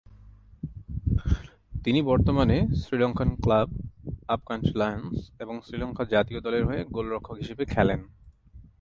তিনি বর্তমানে Sri Lankan club up country lions এবং শ্রীলঙ্কা জাতীয় দলের হয়ে গোলরক্ষক হিসেবে খেলেন।